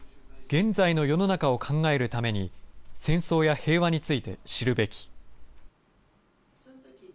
現在の世の中を考えるために、戦争や平和について知るべき。